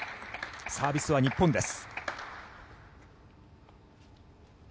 サービスは日本です。